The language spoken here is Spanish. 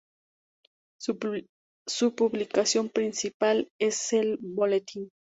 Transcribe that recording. Su publicación principal es el "Boletín.